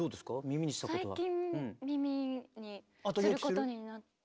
耳にしたことは。